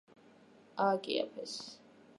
ააკიაფებს